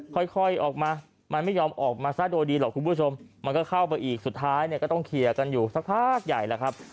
ค่อยออกมามันไม่ยอมออกมาซะโดยดีหรอกคุณผู้ชมมันก็เข้าไปอีกสุดท้ายเนี่ยก็ต้องเคลียร์กันอยู่สักพักใหญ่แหละครับ